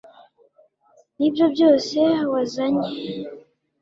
nibyo byose wazanye